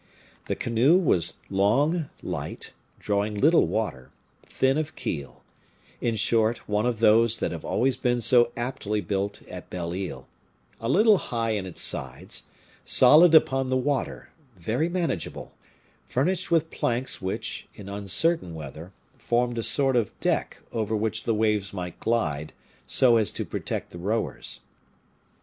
The canoe was long, light, drawing little water, thin of keel; in short, one of those that have always been so aptly built at Belle Isle; a little high in its sides, solid upon the water, very manageable, furnished with planks which, in uncertain weather, formed a sort of deck over which the waves might glide, so as to protect the rowers.